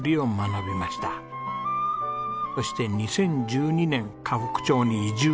そして２０１２年河北町に移住。